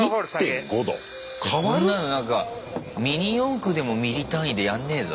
こんなのなんかミニ四駆でもミリ単位でやんねえぞ。